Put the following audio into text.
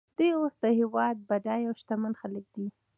دوی اوس د هېواد بډایه او شتمن خلک دي